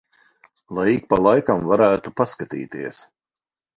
Lai ik pa laikam varētu paskatīties.